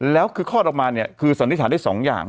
แล้วคือข้อออกมาคือสนิทราได้๒อย่าง